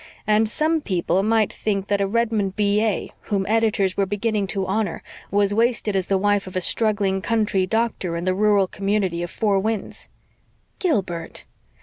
And some people might think that a Redmond B.A., whom editors were beginning to honor, was 'wasted' as the wife of a struggling country doctor in the rural community of Four Winds." "Gilbert!"